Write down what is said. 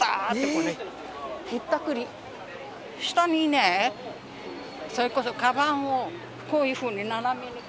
下にねそれこそカバンをこういうふうに斜めにかけて